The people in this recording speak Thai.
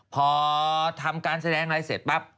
พอทำการแสดงอะไรเสร็จปั๊บ